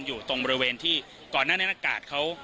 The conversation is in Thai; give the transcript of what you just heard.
อยู่ตรงบริเวณที่ก่อนหน้านี้อากาศเขา